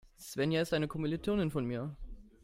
Svenja ist eine Kommilitonin von mir.